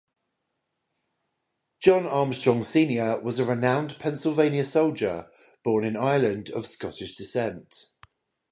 John Armstrong Senior was a renowned Pennsylvania soldier born in Ireland of Scottish descent.